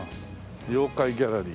「妖怪ギャラリー」。